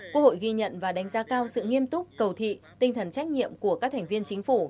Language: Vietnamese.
quốc hội ghi nhận và đánh giá cao sự nghiêm túc cầu thị tinh thần trách nhiệm của các thành viên chính phủ